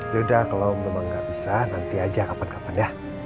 yaudah kalau memang nggak bisa nanti aja kapan kapan ya